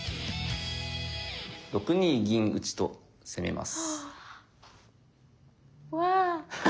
６二銀打と攻めます。